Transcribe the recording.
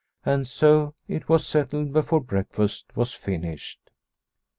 And so it was settled before breakfast was finished.